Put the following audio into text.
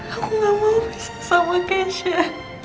aku gak mau bersama keisha